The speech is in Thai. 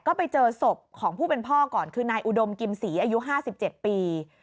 ก็ไปเจอศพของผู้เป็นพ่อก่อนคือนายอุดมกิมศรีอายุ๕๗ปี